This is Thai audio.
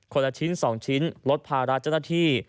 ละชิ้น๒ชิ้นลดภาระเจ้าหน้าที่